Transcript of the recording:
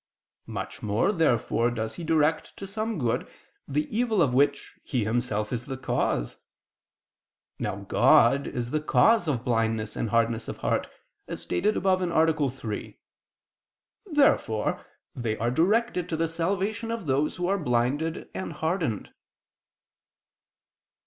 Much more, therefore, does He direct to some good, the evil of which He Himself is the cause. Now God is the cause of blindness and hardness of heart, as stated above (A. 3). Therefore they are directed to the salvation of those who are blinded and hardened.